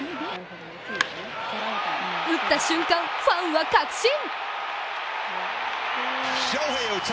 打った瞬間、ファンは確信！